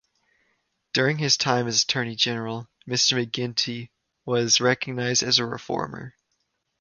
During his time as Attorney General, Mr McGinty was recognised as a reformer.